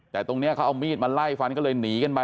แต่ตรงนี้เขาเอามีดมาไล่ฟันก็เลยหนีกันไป